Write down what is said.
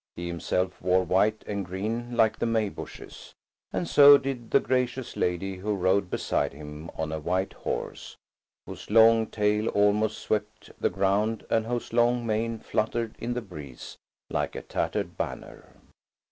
He himself wore white and green like the May bushes, and so did the gracious lady who rode beside him on a white horse, whose long tail almost swept the ground and whose long mane fluttered in the breeze like a tattered banner.